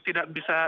tidak bisa dikawal